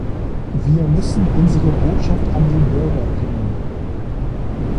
Wir müssen unsere Botschaft an den Bürger bringen.